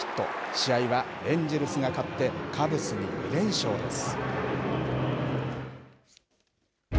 試合はエンジェルスが勝ってカブスに２連勝です。